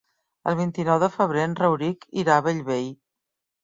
El vint-i-nou de febrer en Rauric irà a Bellvei.